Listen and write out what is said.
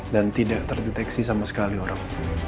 dan tidak terdeteksi sama sekali orang